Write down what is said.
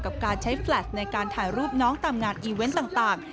กับการใช้แฟลชในการถ่ายรูปน้องตามงานอีเวนต์ต่าง